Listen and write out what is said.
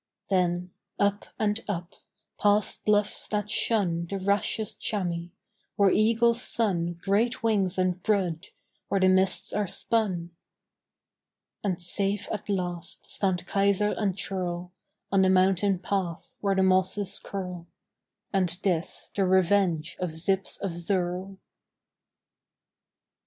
Then up and up, past bluffs that shun The rashest chamois; where eagles sun Great wings and brood; where the mists are spun. And safe at last stand Kaiser and churl On the mountain path where the mosses curl And this the revenge of Zyps of Zirl.